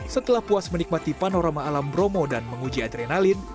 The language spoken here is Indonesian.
setelah puas menikmati panorama alam bromo dan menguji adrenalin